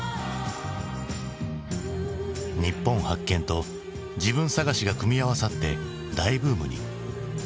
「日本発見」と「自分探し」が組み合わさって大ブームに。